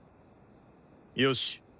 「よし。